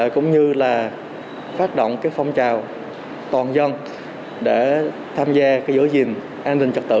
cũng như là phát động phong trào toàn dân để tham gia giới diện an ninh trật tự